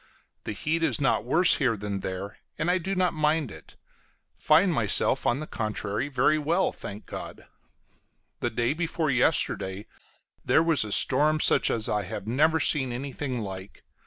The heat is not worse here than there, and I do not mind it; find myself, on the contrary, very well, thank God. The day before yesterday there was a storm, such as I have never seen anything like.